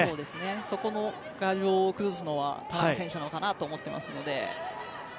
そこを牙城を崩すのは田中選手なのかなと思っていますので。